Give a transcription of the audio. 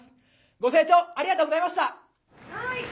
ご静聴ありがとうございました。